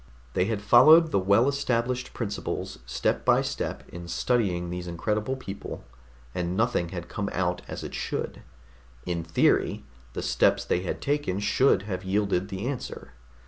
They had followed the well established principles step by step in studying these incredible people, and nothing had come out as it should. In theory, the steps they had taken should have yielded the answer.